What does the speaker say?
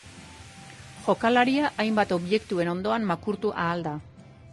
Jokalaria hainbat objektuen ondoan makurtu ahal da.